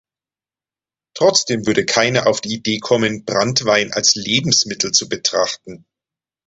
Trotzdem würde keiner auf die Idee kommen, Branntwein als Lebensmittel zu betrachten.